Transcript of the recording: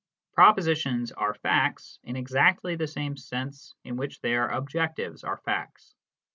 Proposi tions are facts in exactly the same sense in which their objectives are facts.